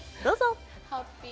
どうぞ。